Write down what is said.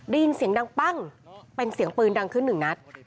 ได้ยินเสียงดังปั้งเป็นเสียงปืนดังขึ้นหนึ่งนัด